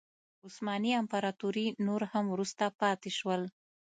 عثماني امپراتوري نور هم وروسته پاتې شول.